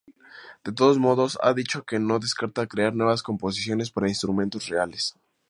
De todos modos, ha dicho que no descarta crear nuevas composiciones para instrumentos reales.